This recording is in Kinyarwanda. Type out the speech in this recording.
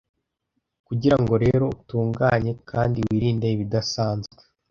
Kugirango rero utunganye kandi wirinde ibidasanzwe